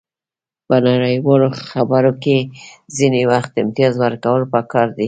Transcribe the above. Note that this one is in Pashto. په نړیوالو خبرو کې ځینې وخت امتیاز ورکول پکار دي